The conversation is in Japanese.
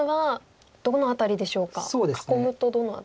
囲むとどの辺りですか？